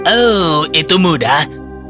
oh itu munculnya